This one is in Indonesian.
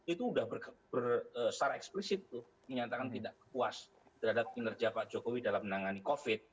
itu sudah secara eksplisit menyatakan tidak puas terhadap kinerja pak jokowi dalam menangani covid